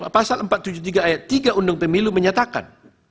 pasal empat ratus tujuh puluh tiga ayat tiga undang pemilu menyatakan